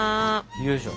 よいしょ。